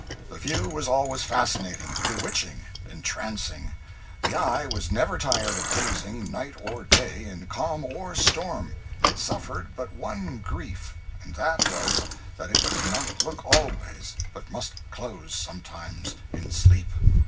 The view was always fascinating, bewitching, entrancing. The eye was never tired of gazing, night or day, in calm or storm; it suffered but one grief, and that was that it could not look always, but must close sometimes in sleep.